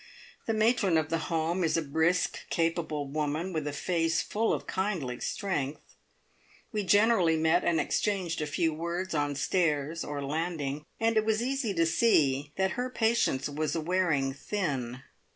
The matron of the Home is a brisk, capable woman, with a face full of kindly strength; we generally met and exchanged a few words on stairs or landing, and it was easy to see that her patience was wearing thin.